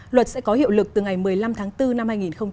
luật sẽ có hiệu lực từ ngày một mươi năm tháng bốn năm hai nghìn hai mươi